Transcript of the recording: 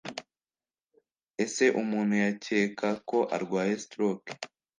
Ese umuntu yakeka ko arwaye stroke